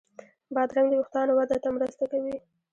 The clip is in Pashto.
بادرنګ د وېښتانو وده ته مرسته کوي.